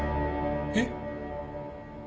えっ？